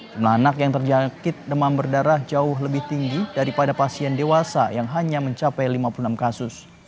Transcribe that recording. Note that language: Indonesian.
jumlah anak yang terjangkit demam berdarah jauh lebih tinggi daripada pasien dewasa yang hanya mencapai lima puluh enam kasus